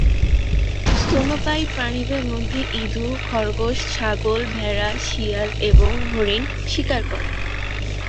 স্তন্যপায়ী প্রাণীদের মধ্যে ইঁদুর, খরগোশ, ছাগল, ভেড়া, শিয়াল এবং হরিণ শিকার করে।